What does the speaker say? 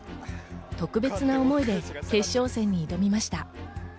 特別な思いで決勝戦に挑みました。